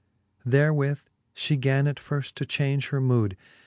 Therewith fhe gan at firft to chaunge her mood.